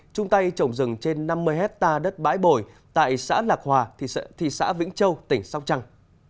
chung tay trồng rừng trên năm mươi hectare đất bãi bồi tại xã lạc hòa thị xã vĩnh châu tỉnh sóc trăng